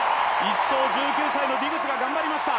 １走、１９歳のディグスが頑張りました。